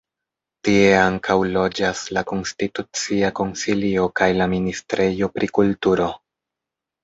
Tie ankaŭ loĝas la Konstitucia Konsilio kaj la ministrejo pri kulturo.